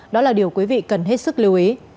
đó là điều quý vị cần hết sức lưu ý